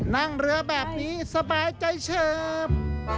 นั่งเรือแบบนี้สบายใจเฉิบ